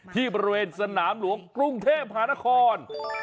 ที่บริเวณสนามหลวงกรุงเทพหานคร